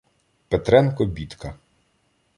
Петренко бідка